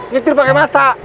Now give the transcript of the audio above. nyetir pake mata